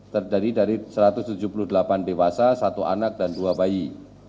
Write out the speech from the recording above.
terdiri dari satu ratus tujuh puluh delapan dewasa satu anak dan dua bayi